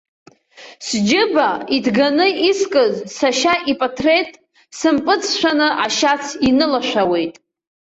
Сџьыба иҭганы искыз сашьа ипатреҭ сымпыҵшәаны ашьац инылашәауеит.